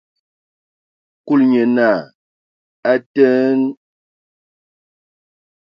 Kulu nye naa: A teen!